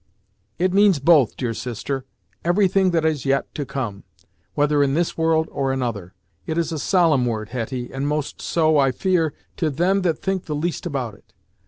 "It means both, dear sister every thing that is yet to come, whether in this world or another. It is a solemn word, Hetty, and most so, I fear, to them that think the least about it.